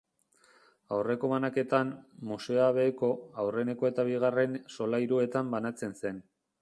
Aurreko banaketan, museoa beheko, aurreneko eta bigarren solairuetan banatzen zen.